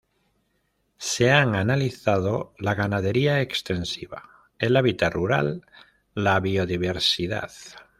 se han analizado la ganadería extensiva, el hábitat rural, la biodiversidad